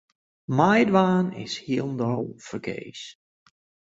Meidwaan is hielendal fergees.